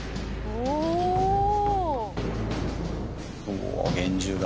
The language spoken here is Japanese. おお厳重だ。